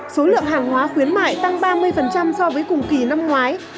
số lượng hàng hóa khuyến mại tăng ba mươi so với cùng kỳ năm ngoái